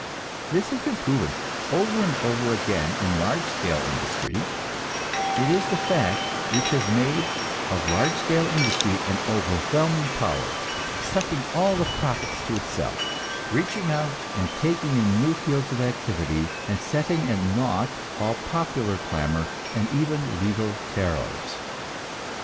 This has been proven over and over again in large scale industry; it is the fact which has made of large scale industry an overwhelming power, sucking all the profits to itself, reaching out and taking in new fields of human activity, and setting at naught all popular clamor and even legal terrors.